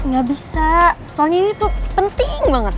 gak bisa soalnya ini tuh penting banget